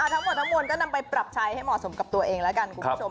ทั้งหมดทั้งมวลก็นำไปปรับใช้ให้เหมาะสมกับตัวเองแล้วกันคุณผู้ชม